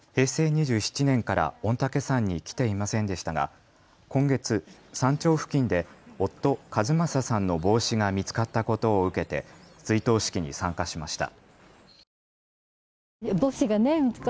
平成２７年から御嶽山に来ていませんでしたが今月、山頂付近で夫、和正さんの帽子が見つかったことを受けて追悼式に参加しました。